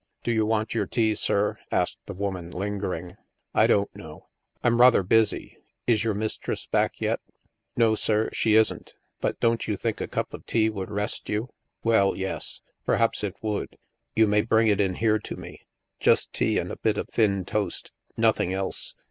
" Do you want your tea, sir ?" asked the woman, lingering. " I don't know. Fm rather busy. Is your mis tress back yet? ''*' No, sir, she isn't. But don't you think a cup of tea would rest you ?"" Well, yes. Perhaps it would ; you may bring it in here to me. Just tea and a bit of thin toast. Nothing else.